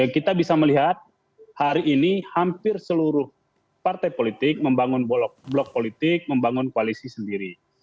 kita bisa melihat hari ini hampir seluruh partai politik membangun blok politik membangun koalisi sendiri